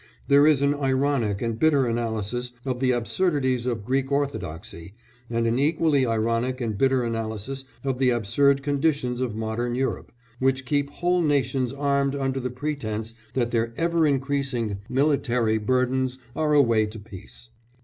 There is an ironic and bitter analysis of the absurdities of Greek Orthodoxy, and an equally ironic and bitter analysis of the absurd conditions of modern Europe, which keep whole nations armed under the pretence that their ever increasing military burdens are a way to peace.